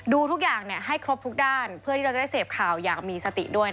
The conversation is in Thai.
ดูทุกอย่างให้ครบทุกด้านเพื่อที่เราจะได้เสพข่าวอยากมีสติด้วย